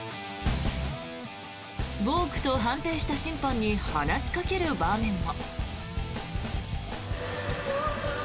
ボークと判定した審判に話しかける場面も。